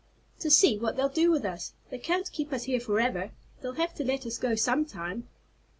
"To see what they'll do with us. They can't keep us here forever. They'll have to let us go some time."